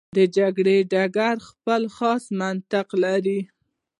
د جګړې ډګر خپل خاص منطق لري.